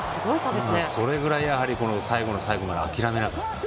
それぐらい最後の最後まで諦めなかった。